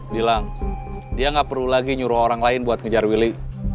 bilang dia nggak perlu lagi nyuruh orang lain buat ngejar willy